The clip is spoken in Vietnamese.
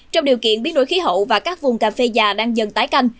trong điều kiện biến đổi khí hậu và các vùng cà phê già đang dần tái canh